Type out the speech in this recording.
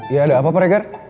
ya ada apa pak regar